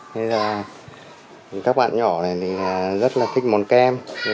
nên là các bạn nhỏ này thì rất là thích món kem